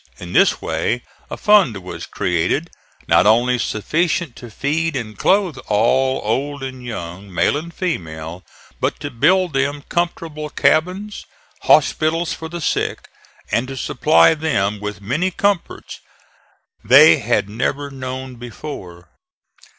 In this way a fund was created not only sufficient to feed and clothe all, old and young, male and female, but to build them comfortable cabins, hospitals for the sick, and to supply them with many comforts they had never known before.